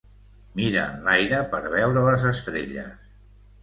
Mira enlaire per veure les estrelles